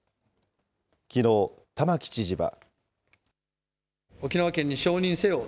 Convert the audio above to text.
きのう、玉城知事は。